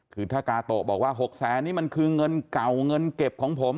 คือถ้ากาโตะบอกว่า๖แสนนี่มันคือเงินเก่าเงินเก็บของผม